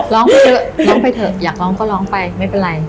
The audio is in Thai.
ร้องไปเถอะร้องไปเถอะอยากร้องก็ร้องไปไม่เป็นไร